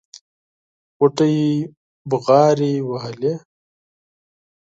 غوټۍ بغاري وهلې.